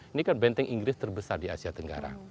ini kan benteng inggris terbesar di asia tenggara